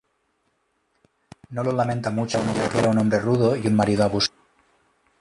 No lo lamenta mucho, ya que era un hombre rudo y un marido abusivo.